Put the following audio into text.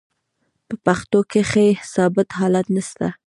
په پښتو کښي ثابت حالت نسته.